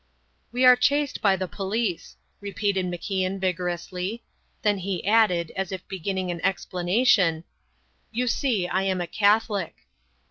"We are chased by the police," repeated MacIan, vigorously; then he added, as if beginning an explanation, "You see, I am a Catholic."